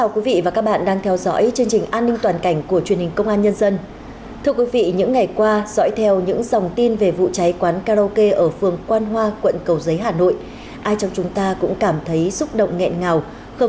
các bạn hãy đăng ký kênh để ủng hộ kênh của chúng mình nhé